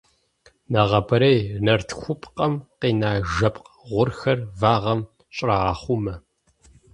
Нэгъабэрей нартыхупкъэм къина жэпкъ гъурхэр вагъэм щӀрагъэхъумэ.